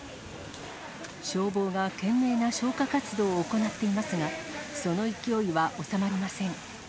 消防が懸命な消火活動を行っていますが、その勢いは収まりません。